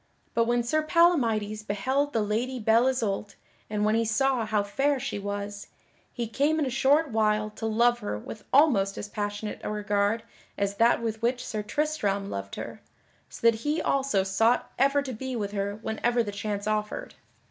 But when Sir Palamydes beheld the Lady Belle Isoult and when he saw how fair she was, he came in a short while to love her with almost as passionate a regard as that with which Sir Tristram loved her, so that he also sought ever to be with her whenever the chance offered.